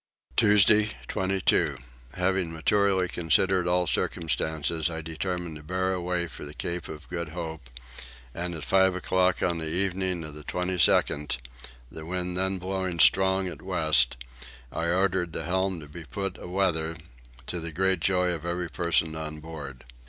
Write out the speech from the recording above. Tuesday 22. Having maturely considered all circumstances I determined to bear away for the Cape of Good Hope; and at five o'clock on the evening of the 22nd, the wind then blowing strong at west, I ordered the helm to be put a weather, to the great joy of every person on board.